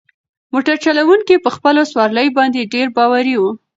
موټر چلونکی په خپلو سوارلۍ باندې ډېر باوري و.